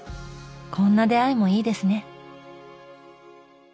こんな出会いもいいですね。